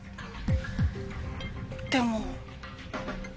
でも。